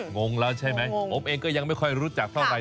งงแล้วใช่ไหมผมเองก็ยังไม่ค่อยรู้จักเท่าไห